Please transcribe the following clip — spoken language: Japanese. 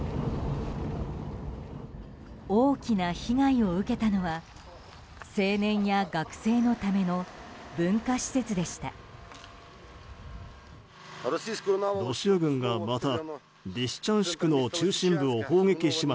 大きな被害を受けたのは青年や学生のための文化施設でした。